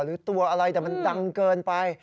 หรือตัวอะไรแต่มันดังเกินไป